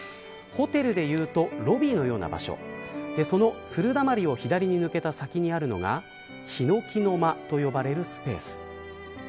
ホテルでいうとロビーのような場所その鶴溜りを左に抜けた先にあるのが檜の間と呼ばれるスペース。